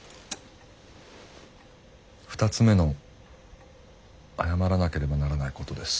２つ目の謝らなければならないことです。